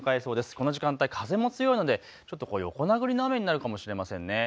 この時間帯、風も強いので、ちょっと横殴りの雨になるかもしれませんね。